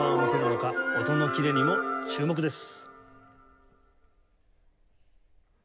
音のキレにも注目です。